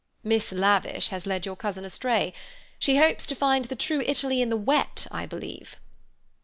"Miss Lavish has led your cousin astray. She hopes to find the true Italy in the wet I believe."